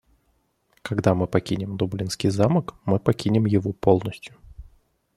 Когда мы покинем Дублинский замок, мы покинем его полностью.